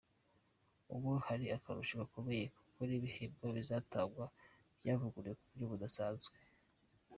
Ubu, hari akarusho gakomeye kuko n’ibihembo bizatangwa byavuruwe mu buryo budasanzwe.